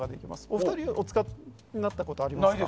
お二人はやったことがありますか？